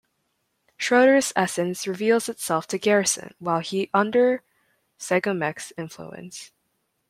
Schroeder's essence reveals itself to Garrison while he under Psychomech's influence.